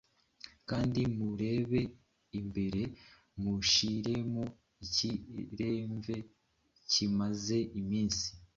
kandi murebe ihembe mushyiremo ikiremve kimaze iminsi